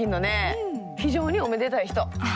非常におめでたい人。